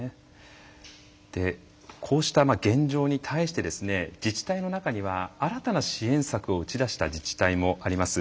こうした現状に対して自治体の中には新たな支援策を打ち出した自治体もあります。